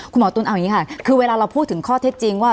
คุณหมอตุ๋นเอาอย่างนี้ค่ะคือเวลาเราพูดถึงข้อเท็จจริงว่า